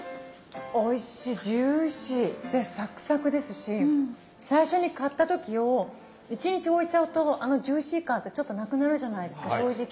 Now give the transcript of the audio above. おいしいジューシー。でサクサクですし最初に買った時を１日置いちゃうとあのジューシー感ってちょっとなくなるじゃないですか正直。